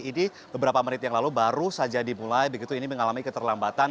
ini beberapa menit yang lalu baru saja dimulai begitu ini mengalami keterlambatan